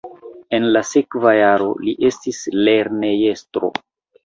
En la sekva jaro li estis lernejestro.